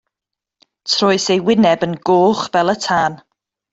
Troes ei wyneb yn goch fel y tân.